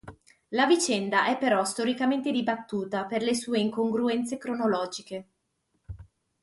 La vicenda è però storicamente dibattuta per le sue incongruenze cronologiche.